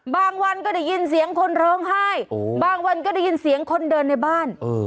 บางวันก็ได้ยินเสียงคนร้องไห้บางวันก็ได้ยินเสียงคนเดินในบ้าน